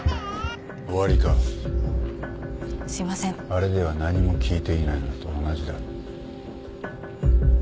あれでは何も聞いていないのと同じだ。